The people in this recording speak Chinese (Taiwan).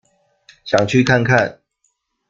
想去看看